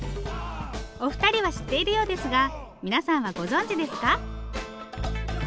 お二人は知っているようですが皆さんはご存じですか？